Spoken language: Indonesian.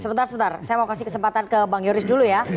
sebentar sebentar saya mau kasih kesempatan ke bang yoris dulu ya